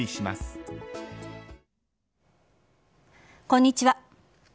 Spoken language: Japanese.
こんにちは。